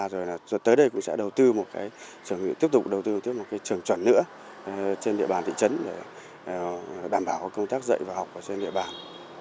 tới đây cũng sẽ đầu tư một trường chuẩn nữa trên địa bàn thị trấn để đảm bảo công tác dạy và học trên địa bàn